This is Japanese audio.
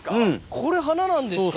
これ花なんですか？